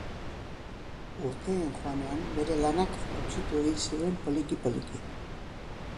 Urteen joanean bere lanak gutxitu egin ziren poliki-poliki.